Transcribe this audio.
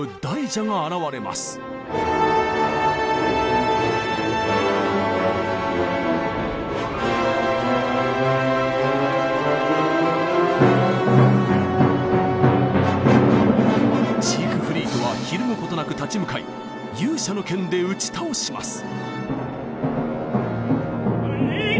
ジークフリートはひるむことなく立ち向かい勇者の剣で打ち倒します。